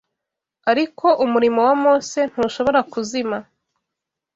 ariko umurimo wa Mose ntushobora kuzima